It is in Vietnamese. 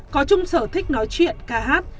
có chung sở thích nói chuyện ca hát